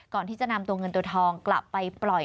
ก่อนที่จะนำตัวเงินตัวทองกลับไปปล่อย